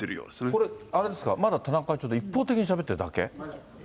これ、あれですか、まだ田中会長、一方的にしゃべってるだけ？